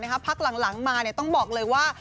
พักหลังมาต้องบอกเลยว่า